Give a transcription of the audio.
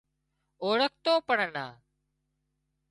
اوۯکتو پڻ نا